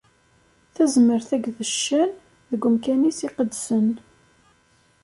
Tazmert akked ccan, deg umkan-is iqedsen.